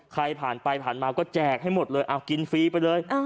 ใครผ่านไปผ่านมาก็แจกให้หมดเลยเอากินฟรีไปเลย